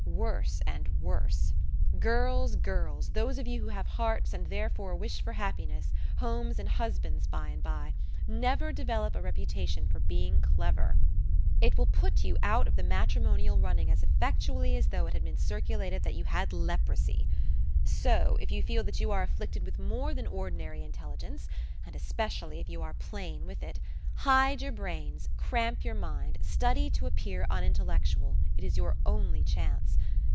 Worse and worse! Girls! girls! Those of you who have hearts, and therefore a wish for happiness, homes, and husbands by and by, never develop a reputation of being clever. It will put you out of the matrimonial running as effectually as though it had been circulated that you had leprosy. So, if you feel that you are afflicted with more than ordinary intelligence, and especially if you are plain with it, hide your brains, cramp your mind, study to appear unintellectual it is your only chance.